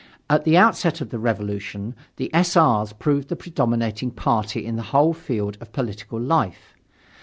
At the outset of the Revolution, the S. R.'s proved the predominating party in the whole field of political life.